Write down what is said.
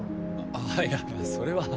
あいやそれは。